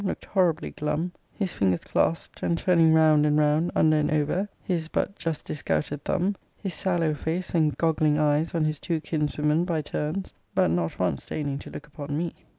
looked horribly glum; his fingers claspt, and turning round and round, under and over, his but just disgouted thumb; his sallow face, and goggling eyes, on his two kinswomen, by turns; but not once deigning to look upon me.